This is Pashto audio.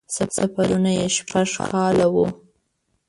سفرونه یې شپږ کاله وو.